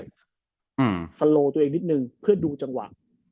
สโลตัวเองนิดนึงเพื่อดูจังหวะ